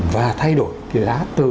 và thay đổi cái giá từ